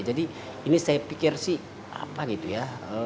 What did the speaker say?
jadi ini saya pikir sih apa gitu ya